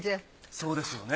そうですよね。